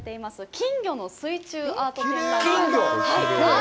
金魚の水中アート展覧会。